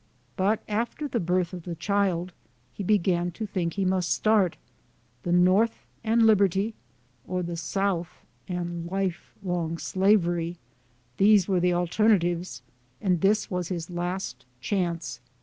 But after the birth of the child, he began to think he must start ; the North and Liberty, or the South and life long Slavery these were the alternatives, and this was his last chance.